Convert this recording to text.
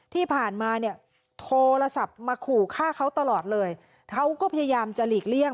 ที่ผ่านมาเนี่ยโทรศัพท์มาขู่ฆ่าเขาตลอดเลยเขาก็พยายามจะหลีกเลี่ยง